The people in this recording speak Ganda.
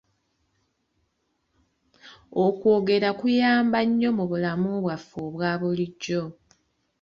Okwogera kuyamba nnyo mu bulamu bwaffe obwa bulijjo.